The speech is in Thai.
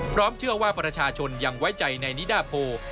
เชื่อว่าประชาชนยังไว้ใจในนิดาโพ